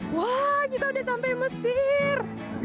wah kita udah sampai mesir